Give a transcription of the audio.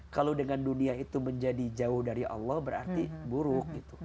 kalau dengan dunia itu menjadi jauh dari allah berarti buruk gitu